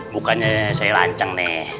bukannya saya lancang